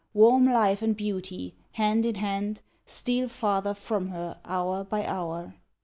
Warm life and beauty, hand in hand, Steal farther from her hour by hour.